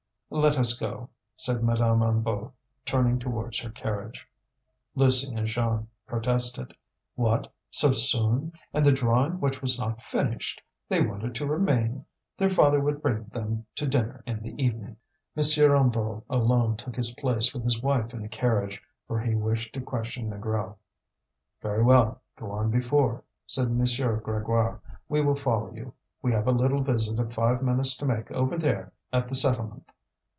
"Let us go," said Madame Hennebeau, turning towards her carriage. Lucie and Jeanne protested. What! so soon! and the drawing which was not finished. They wanted to remain; their father would bring them to dinner in the evening. M. Hennebeau alone took his place with his wife in the carriage, for he wished to question Négrel. "Very well! go on before," said M. Grégoire. "We will follow you; we have a little visit of five minutes to make over there at the settlement.